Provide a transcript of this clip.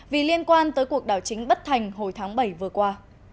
vì liên quan tới cuộc đảo chính bất thành hồi tháng bảy vừa qua